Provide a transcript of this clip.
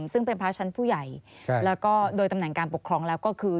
ซึ่งเป็นพระชั้นผู้ใหญ่แล้วก็โดยตำแหน่งการปกครองแล้วก็คือ